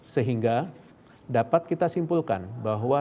sehingga dapat kita simpulkan bahwa